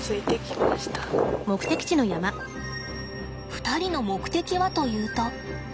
２人の目的はというと。